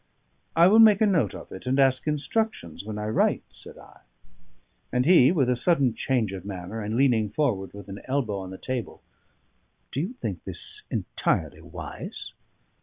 "I will make a note of it, and ask instructions when I write," said I. And he, with a sudden change of manner, and leaning forward with an elbow on the table "Do you think this entirely wise?"